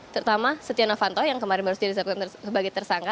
terutama setia novanto yang kemarin baru saja ditetapkan sebagai tersangka